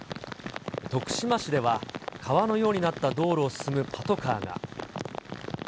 徳島市では、川のようになった道路を進むパトカーが。